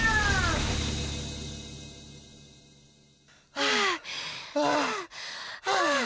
はあはあはあ。